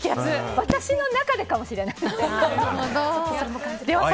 私の中でかもしれない。